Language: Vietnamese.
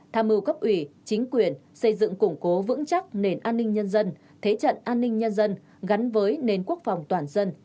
tham mưu cấp ủy chính quyền xây dựng củng cố vững chắc nền an ninh nhân dân thế trận an ninh nhân dân gắn với nền quốc phòng toàn dân